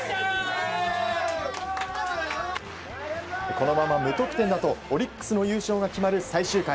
このまま無得点だとオリックスの優勝が決まる最終回。